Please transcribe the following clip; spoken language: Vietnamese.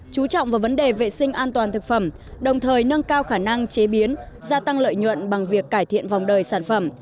chú trọng vào vấn đề vệ sinh an toàn thực phẩm đồng thời nâng cao khả năng chế biến gia tăng lợi nhuận bằng việc cải thiện vòng đời sản phẩm